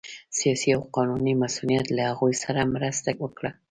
سیاسي او قانوني مصونیت له هغوی سره مرسته وکړه